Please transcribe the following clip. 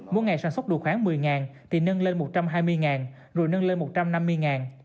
mỗi ngày sản xuất được khoảng một mươi thì nâng lên một trăm hai mươi rồi nâng lên một trăm năm mươi